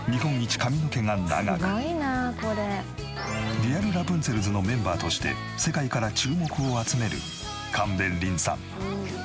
リアルラプンツェルズのメンバーとして世界から注目を集める神戸リンさん。